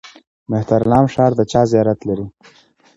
مهترلام ښار د چا زیارت لري؟